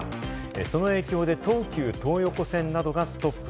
その影響で東急東横線などがストップ。